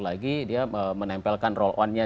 lagi menempelkan roll onnya